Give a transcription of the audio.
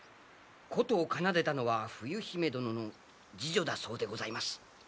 琴を奏でたのは冬姫殿の侍女だそうでございます。